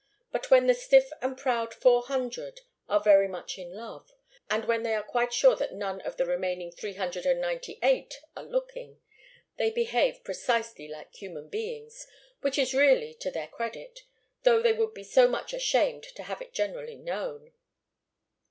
But when the 'stiff and proud' Four Hundred are very much in love, and when they are quite sure that none of the remaining Three Hundred and Ninety eight are looking, they behave precisely like human beings, which is really to their credit, though they would be so much ashamed to have it generally known.